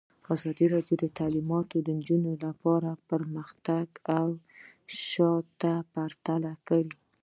ازادي راډیو د تعلیمات د نجونو لپاره پرمختګ او شاتګ پرتله کړی.